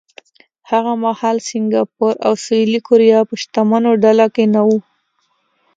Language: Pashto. هغه مهال سینګاپور او سویلي کوریا په شتمنو ډله کې نه وو.